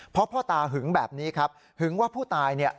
เพราะพ่อตาหึงแบบนี้ครับหึงว่าผู้ตายเนี่ย